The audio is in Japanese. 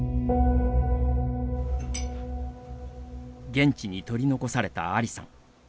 現地に取り残されたアリさん。